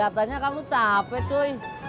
keliatannya kamu capek cuy